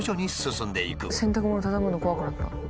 洗濯物を畳むの怖くなった。